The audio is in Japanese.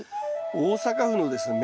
大阪府のですね